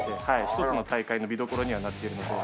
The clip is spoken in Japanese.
一つの大会の見どころにはなってるので。